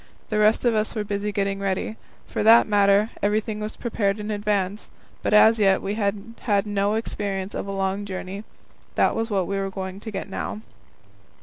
The rest of us were busy getting ready. For that matter, everything was prepared in advance, but as yet we had had no experience of a long journey. That was what we were going to get now.